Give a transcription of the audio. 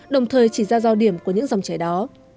đồng thời chỉ ra giao điểm của những dòng chảy đó